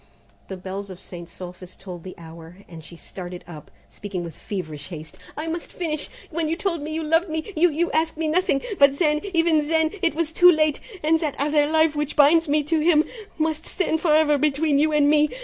The bells of St. Sulpice tolled the hour, and she started up, speaking with feverish haste, "I must finish! When you told me you loved me you you asked me nothing; but then, even then, it was too late, and that other life which binds me to him, must stand for ever between you and me!